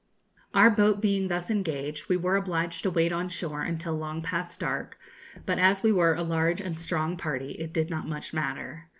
Our boat being thus engaged, we were obliged to wait on shore until long past dark; but as we were a large and strong party, it did not much matter.